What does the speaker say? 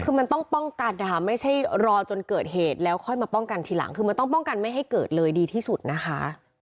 คือมันต้องป้องกันนะคะไม่ใช่รอจนเกิดเหตุแล้วค่อยมาป้องกันทีหลังคือมันต้องป้องกันไม่ให้เกิดเลยดีที่สุดนะคะ